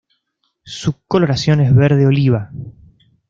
Su coloración es verde oliva.